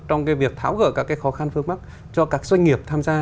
trong cái việc tháo gỡ các cái khó khăn vướng mắt cho các doanh nghiệp tham gia